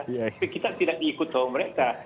tapi kita tidak ikut sama mereka